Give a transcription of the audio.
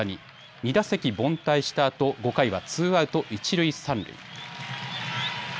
２打席凡退したあと５回はツーアウト一塁三塁。